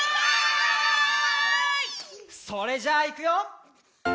それじゃあいくよ！